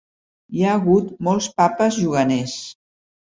Hi ha hagut molts Papes juganers.